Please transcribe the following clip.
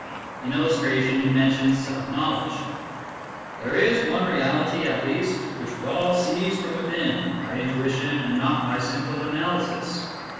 In illustration, he mentions self knowledge :" there is one reality, at least, which we all seize from within, by intuition and not by simple analysis.